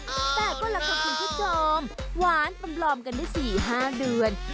เอ่อแต่ก็หลังจากพวกชั้นที่จอมหวานปลอมกันได้๔๕เดือน